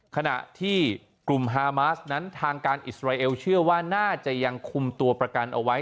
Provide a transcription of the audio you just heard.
ขณะที่กลุ่มฮามาสนั้นทางการอิสราเอลเชื่อว่าน่าจะยังคุมตัวประกันเอาไว้